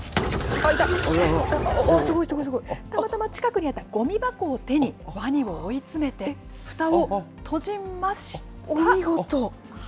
たまたま近くにあったごみ箱を手に、ワニを追い詰めて、ふたお見事。